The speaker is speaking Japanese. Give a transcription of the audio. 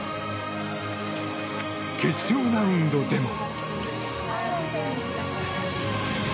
決勝ラウンドでも。